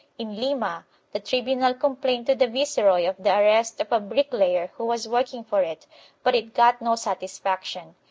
In Lima the tribunal complained to the viceroy of the arrest of a bricklayer who was working for it, but it got no satisfaction.